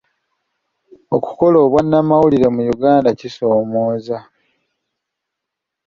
Okukola obwannamawulire mu Uganda kisoomooza.